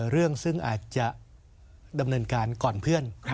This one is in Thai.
เรื่องซึ่งอาจจะดำเนินการก่อนเพื่อน